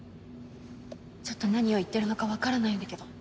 ちょっと何を言ってるのかわからないんだけど。